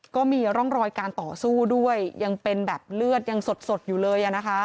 ก็มีร่องรอยการต่อสู้ด้วยยังเป็นแบบเลือดยังสดอยู่เลย